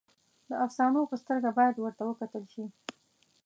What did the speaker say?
د افسانو په سترګه باید ورته وکتل شي.